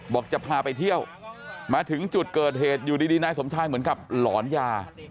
บอกจะพาไปเที่ยวมาถึงจุดเกิดเหตุอยู่ดีนายสมชายเหมือนกับหลอนยา